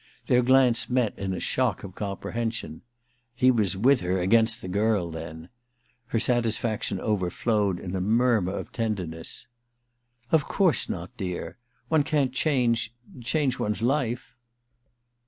Their glance met in a shock of comprehen^on. He was with her against the girl, then ! Her satisfaction over flowed in a murmur of tenderness. * Of course not, dear. One can't change — change one's life.